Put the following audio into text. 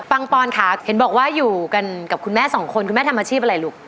ปอนค่ะเห็นบอกว่าอยู่กันกับคุณแม่สองคนคุณแม่ทำอาชีพอะไรลูก